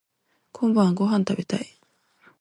こんばんはご飯食べたい